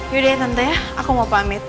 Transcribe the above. yaudah ya tante ya aku mau pamit